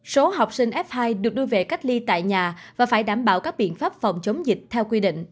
số học sinh f hai được đưa về cách ly tại nhà và phải đảm bảo các biện pháp phòng chống dịch theo quy định